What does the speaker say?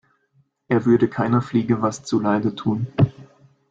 Er würde keiner Fliege was zu Leide tun.